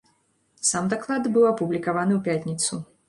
Сам даклад быў апублікаваны ў пятніцу.